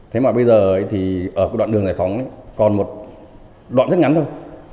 thế mà bây giờ thì ở cái đoạn đường giải phóng còn một đoạn rất ngắn thôi